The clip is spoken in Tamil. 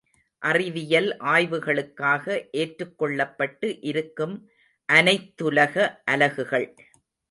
அறிவியல் ஆய்வுகளுக்காக ஏற்றுக் கொள்ளப்பட்டு இருக்கும் அனைத்துலக அலகுகள்.